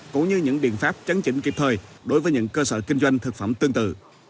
cũng như những biện pháp chấn chỉnh kịp thời đối với những cơ sở kinh doanh thực phẩm tương tự